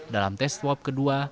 dalam tes swab kedua